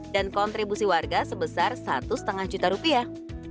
dan kontribusi warga sebesar satu lima juta rupiah